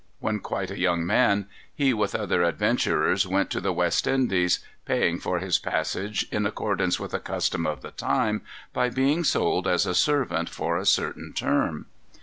When quite a young man, he, with other adventurers, went to the West Indies, paying for his passage, in accordance with a custom of the times, by being sold as a servant for a certain term.